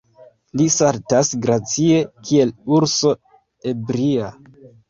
Li saltas gracie, kiel urso ebria.